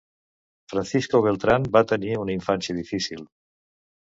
Francisco Beltran va tenir una infància difícil.